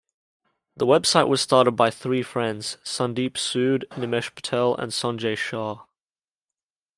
The website was started by three friends, Sandeep Sood, Nimesh Patel and Sanjay Shah.